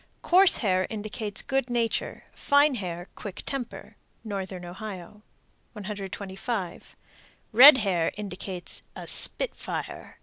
Coarse hair indicates good nature; fine hair quick temper. Northern Ohio. 125. Red hair indicates a "spit fire."